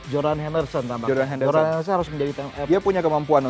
jordan henderson jordan henderson harus menjadi pemain